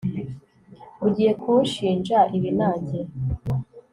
ugiye kunshinja ibi, nanjye